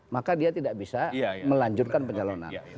maka dia tidak bisa melanjutkan pencalonan